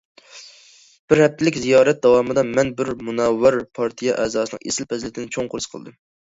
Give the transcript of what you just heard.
بىر ھەپتىلىك زىيارەت داۋامىدا، مەن بىر مۇنەۋۋەر پارتىيە ئەزاسىنىڭ ئېسىل پەزىلىتىنى چوڭقۇر ھېس قىلدىم.